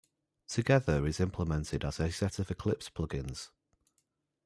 Together is implemented as a set of Eclipse plugins.